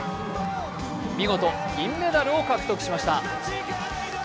見事、銀メダルを獲得しました。